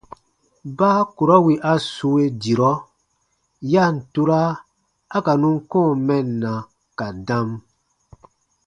Baa kurɔ wì a sue dirɔ, ya ǹ tura a ka nùn kɔ̃ɔ mɛnna ka dam.